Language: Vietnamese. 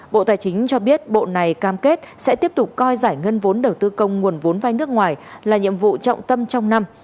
bộ tài chính cho biết bộ này cam kết sẽ tiếp tục coi giải ngân vốn đầu tư công nguồn vốn vai nước ngoài là nhiệm vụ trọng tâm trong năm